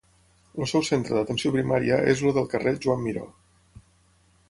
El seu centre d'atenció primària és el del carrer Joan Miró.